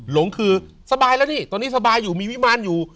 หลงคือสบายแล้วพี่ตอนนี้สบายอยู่มีวิมารอยู่